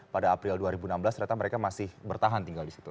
pada april dua ribu enam belas ternyata mereka masih bertahan tinggal di situ